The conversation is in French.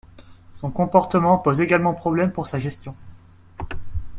Son comportement pose également problème pour sa gestion.